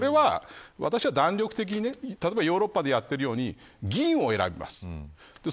私は弾力的にヨーロッパでやっているように議員を選びます。